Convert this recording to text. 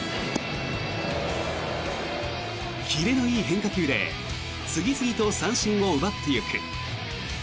キレのいい変化球で次々と三振を奪っていく。